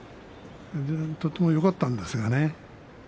とてもよかったんですがね。